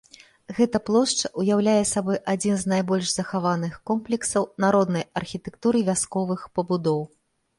Гэта плошча ўяўляе сабой адзін з найбольш захаваных комплексаў народнай архітэктуры вясковых пабудоў.